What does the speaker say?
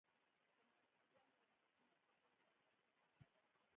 د مازیګر له لمانځه مخکې بیا د اوداسه ځای ته لاړم.